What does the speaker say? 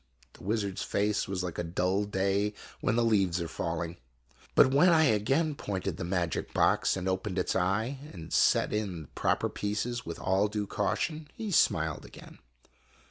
The wizard's face was like a dull day when the leaves are fall ing. But when I again pointed the magic box, and opened its eye, and set in the proper pieces with all due caution, he smiled again.